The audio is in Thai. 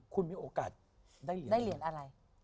คุณมีโอกาสได้เหรียญอะไร